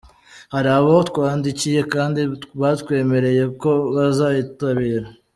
Hari abo twandikiye kandi batwemereye ko bazayitabira”.